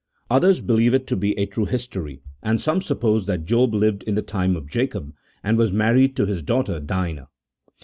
Others believe it to be a true history, and some suppose that Job lived in the time of Jacob, and was married to his daughter Dinah.